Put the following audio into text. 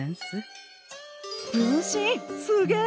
すげえ！